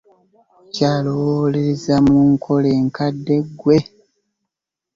Okyalowooleza mu nkola enkadde ggwe.